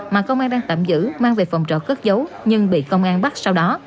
mà công an đang tạm giữ mang về phòng trọ cất giấu nhưng bị công an bắt sau đó